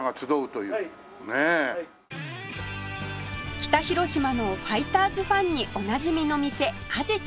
北広島のファイターズファンにおなじみの店あじと